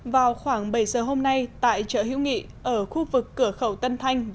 vào khoảng bảy giờ hôm nay tại chợ hữu nghị ở khu vực cửa khẩu tân thanh